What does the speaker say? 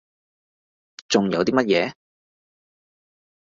仲有啲乜嘢？